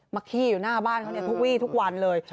ขี้อยู่หน้าบ้านเขาทุกวีทุกวันเลย